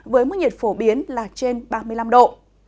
với mức nhiệt phổ biến là trên ba mươi năm độ